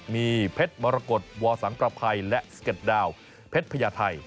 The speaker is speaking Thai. มีเพชรมรกฏวอสังประภัยและ๑๑ดาวเพชรพญาไทย